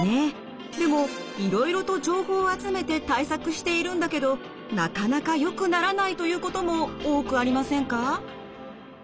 でもいろいろと情報を集めて対策しているんだけどなかなかよくならないということも多くありませんか？